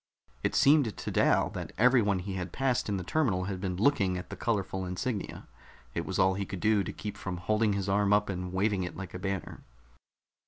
It seemed to Dal that everyone he had passed in the terminal had been looking at the colorful insignia; it was all he could do to keep from holding his arm up and waving it like a banner.